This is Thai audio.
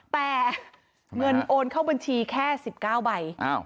แต่เงินโอนเข้าบัญชีแค่๑๙ใบ